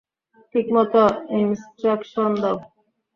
ঠিকমত ইন্সট্রাকশন দাও!